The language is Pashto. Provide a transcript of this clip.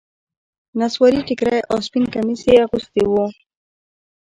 نصواري ټيکری او سپين کميس يې اغوستي وو.